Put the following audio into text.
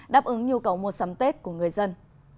đáp ứng nhu cầu mua sắm tết của người dân